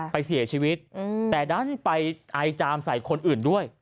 ไปเสียชีวิตแต่ดันไปไอจามใส่คนอื่นด้วย